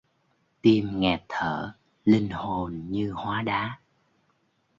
Tim nghẹt thở linh hồn như hóa đá